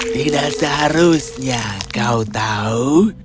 tidak seharusnya kau tahu